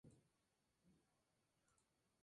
Diputado por Bogotá en la Convención de Rionegro.